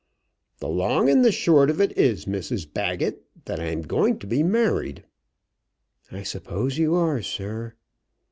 "The long and the short of it is, Mrs Baggett, that I am going to be married." "I suppose you are, sir."